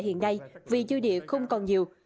hiện nay vì dư địa không còn nhiều